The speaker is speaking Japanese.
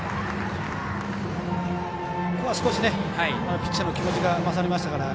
ピッチャーの気持ちが勝りましたから。